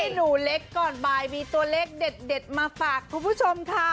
หนูเล็กก่อนบ่ายมีตัวเลขเด็ดมาฝากคุณผู้ชมค่ะ